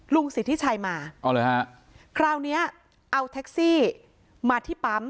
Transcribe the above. สิทธิชัยมาอ๋อเลยฮะคราวเนี้ยเอาแท็กซี่มาที่ปั๊ม